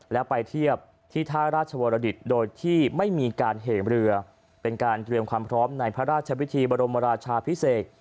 และไปเทียบที่ท่าราชวรดิตโดยที่ไม่มีการเหมเรือเป็นการเตรียมความพร้อมในพระราชวิธีบรมราชาพิเศษ